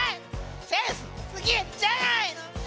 センスよすぎじゃないのよ！